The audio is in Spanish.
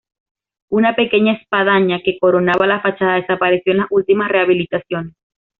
Una pequeña espadaña, que coronaba la fachada, desapareció en las últimas rehabilitaciones.